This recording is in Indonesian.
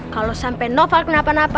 kalau sampai noval kenapa napa